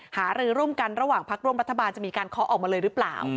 หารือร่วมกันระหว่างพักร่วมรัฐบาลจะมีการเคาะออกมาเลยหรือเปล่า